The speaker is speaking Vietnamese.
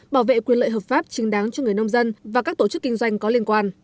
bảo vệ quyền lợi hợp pháp trình đáng cho người nông dân và các tổ chức kinh doanh có liên quan